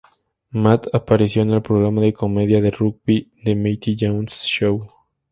Matt apareció en el programa de comedia de rugby "The Matty Johns Show".